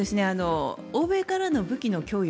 欧米からの武器の供与